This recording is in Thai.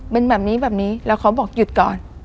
เป็นแบบนี้แบบนี้แล้วเขาบอกหยุดก่อน